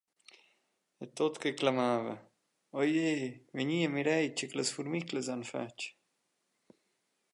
E tut che clamava: «Oje, vegni e mirei tgei che las furmiclas han fatg!»